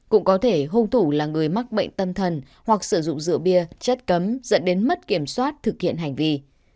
cũng có thể hung thủ là người mắc bệnh tâm thần hoặc sử dụng rượu bia chất cấm dẫn đến mất kiểm soát thực hiện hành vi